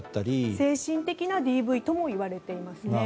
精神的なＤＶともいわれていますね。